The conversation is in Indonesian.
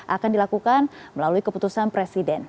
akan dilakukan melalui keputusan presiden